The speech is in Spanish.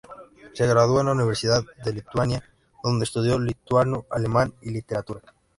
Se graduó en la Universidad de Lituania donde estudió Lituano, Alemán y Literatura.